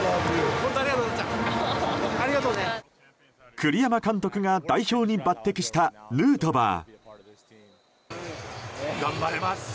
栗山監督が代表に抜擢したヌートバー。